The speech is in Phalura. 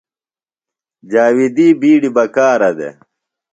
جاویدی بیڈیۡ بکارہ دےۡ۔